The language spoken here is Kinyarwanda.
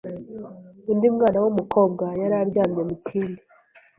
undi mwana w’umukobwa yari aryamye mu kindi